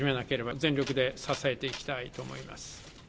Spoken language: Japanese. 全力で支えていきたいと思います。